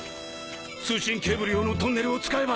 通信ケーブル用のトンネルを使えば。